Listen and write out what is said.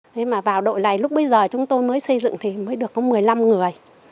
thế mà vào đội này lúc bây giờ chúng tôi mới xây dựng thì mới được có một mươi năm người